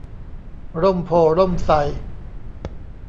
ร่มโพธิ์ร่มไทร